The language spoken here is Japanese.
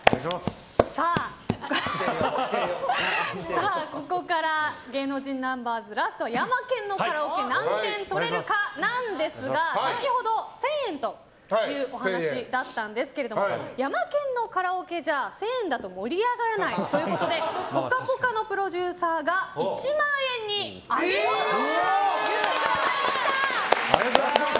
さあここから芸能人ナンバーズラストはヤマケンのカラオケ何点とれるかなんですが先ほど１０００円というお話だったんですけどもヤマケンのカラオケじゃ１０００円だと盛り上がらないということで「ぽかぽか」のプロデューサーが１万円に上げると言ってくださいました！